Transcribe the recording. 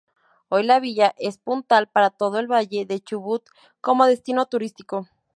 Hoy la villa es puntal para todo el Valle del Chubut como destino turístico.